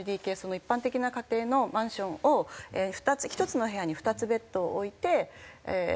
一般的な家庭のマンションを１つの部屋に２つベッドを置いてええー